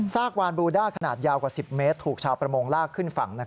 กวานบูด้าขนาดยาวกว่า๑๐เมตรถูกชาวประมงลากขึ้นฝั่ง